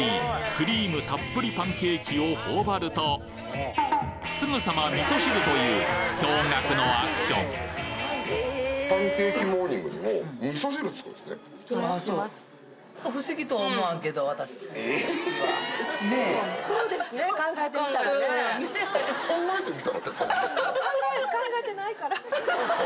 クリームたっぷりパンケーキを頬張るとすぐさま味噌汁という驚愕のアクション考えてみたらって。